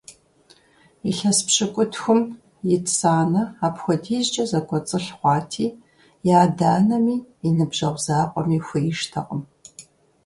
Илъэс пщыкӏутхум ит Санэ апхуэдизкӀэ зэкӀуэцӀылъ хъуати, и адэ-анэми, и ныбжьэгъу закъуэми хуеижтэкъым.